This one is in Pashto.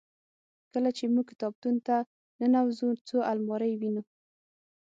کله چې موږ کتابتون ته ننوزو څو المارۍ وینو.